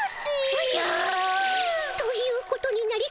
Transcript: おじゃ。ということになりかねぬの。